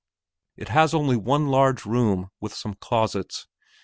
It has only one large room with some closets.